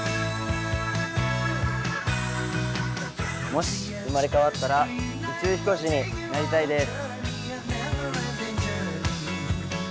もし生まれ変わったら宇宙飛行士になりたいです。